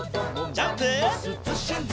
ジャンプ！